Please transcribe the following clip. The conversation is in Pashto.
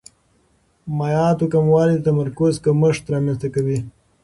مایعاتو کموالی د تمرکز کمښت رامنځته کوي.